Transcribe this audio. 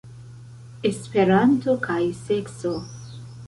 Esperanto kaj sekso.